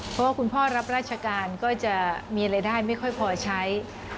เพราะว่าคุณพ่อรับราชการก็จะมีรายได้ไม่ค่อยพอใช้